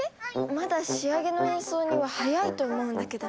まだ仕上げの演奏には早いと思うんだけど。